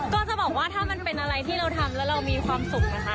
ก็จะบอกว่าถ้ามันเป็นอะไรที่เราทำแล้วเรามีความสุขนะคะ